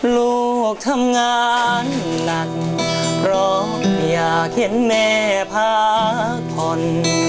ลูกทำงานหนักเพราะอยากเห็นแม่พักผ่อน